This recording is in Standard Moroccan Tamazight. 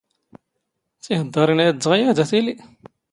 ⵜⵉⵀⴹⴹⴰⵔⵉⵏ ⴰⵢⴷⴷⵖ ⵢⴰⴷ, ⴰ ⵜⵉⵍⵉ?